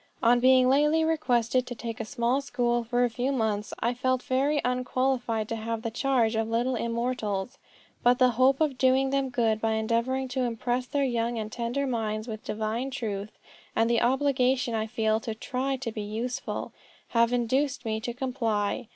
On being lately requested to take a small school for a few months, I felt very unqualified to have the charge of little immortals; but the hope of doing them good by endeavoring to impress their young and tender minds with divine truth, and the obligation I feel to try to be useful, have induced me to comply.